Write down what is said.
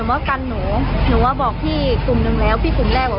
เดินมาก็มาดึงหนูอย่างในคลิปแล้วก็เข้ามาลุงกัน